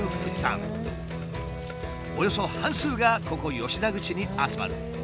およそ半数がここ吉田口に集まる。